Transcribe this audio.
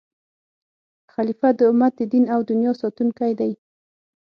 خلیفه د امت د دین او دنیا ساتونکی دی.